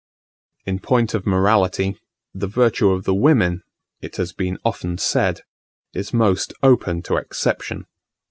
In point of morality, the virtue of the women, it has been often said, is most open to exception.